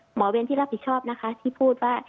เว้นที่รับผิดชอบนะคะที่พูดว่า